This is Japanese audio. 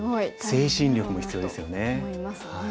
精神力も必要ですよね。